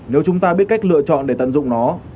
nếu chúng ta biết cách lựa chọn để tận dụng nó